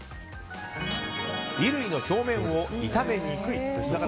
衣類の表面を傷めにくいと。